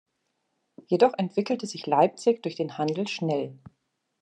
Jedoch entwickelte sich Leipzig durch den Handel schnell.